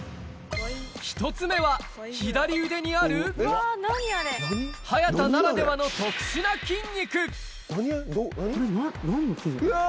１つ目は、左腕にある早田ならではの特殊な筋肉。